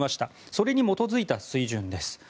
それに基づいた水準です。